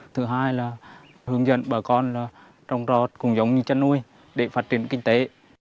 thứ hai là hướng dẫn bà con trong trò cũng giống như chăn nuôi để phát triển kinh tế